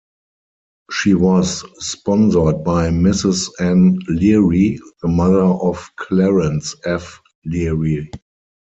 She was sponsored by Mrs. Anne Leary, the mother of Clarence F. Leary.